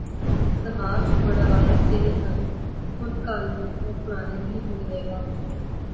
سماج اور روایت سے یہ تعلق ان کالموں کوپرانا نہیں ہونے دے گا۔